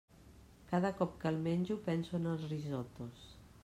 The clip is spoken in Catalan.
Cada cop que el menjo penso en els risottos.